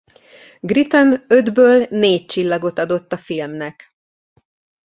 Gritten ötből négy csillagot adott a filmnek.